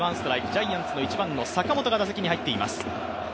ジャイアンツの１番の坂本が打席に入っています。